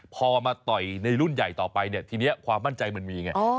พอมาต่อยในรุ่นใหญ่ต่อไปทีนี้ความมั่นใจมันมีอย่างนี้